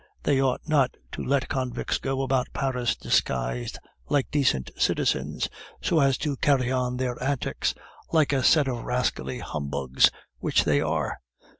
They ought not to let convicts go about Paris disguised like decent citizens, so as to carry on their antics like a set of rascally humbugs, which they are."